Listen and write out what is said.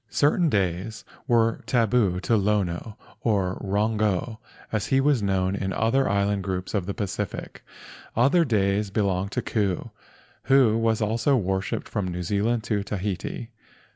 Certain days were tabu to Lono—or Rongo, as he was known in other island groups of the Pacific Ocean. Other days belonged to Ku—who was also worshipped from New Zealand to Tahiti.